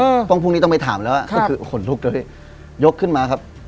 อืมพร้อมพรุ่งนี้ต้องไปถามแล้วครับก็คือขนลุกด้วยยกขึ้นมาครับ